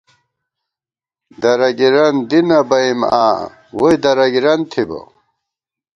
درَگِرَن دِی نہ بَئیم آں ، ووئی درَگِرَن تھِبہ